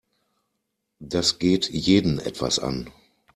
Das geht jeden etwas an.